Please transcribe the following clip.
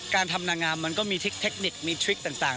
การทำนางงามมันก็มีเทคนิคมีทริคต่าง